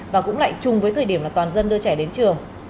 và cũng lại chung với thời điểm là toàn dân đưa trẻ đến trường